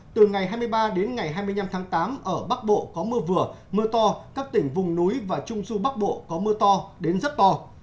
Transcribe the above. từ ngày hai mươi ba đến ngày hai mươi năm tháng tám ở bắc bộ có mưa vừa mưa to các tỉnh vùng núi và trung du bắc bộ có mưa to đến rất to